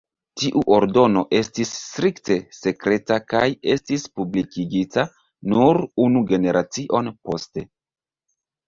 Tiu ordono estis strikte sekreta kaj estis publikigita nur unu generacion poste.